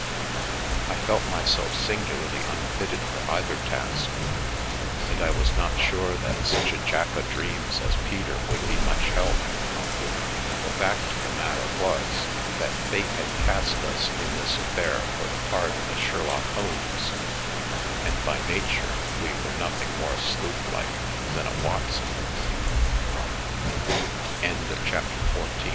I felt myself singularly unfitted for either task, and I was not sure that such a Jack o* Dreams as Peter would be much help. The fact of the matter was, that Fate had cast us in this affair for the part of a Sherlock Holmes, and by nature we were nothing more sleuth like tha